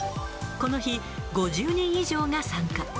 この日、５０人以上が参加。